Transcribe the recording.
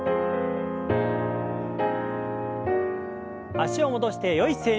脚を戻してよい姿勢に。